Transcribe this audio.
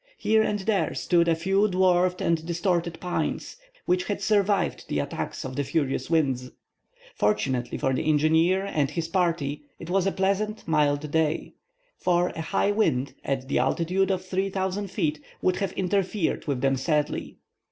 Here and there stood a few dwarfed and distorted pines, which had survived the attacks of the furious winds. Fortunately for the engineer and his party, it was a pleasant, mild day; for a high wind, at that altitude of 3,000 feet, would have interfered with them sadly.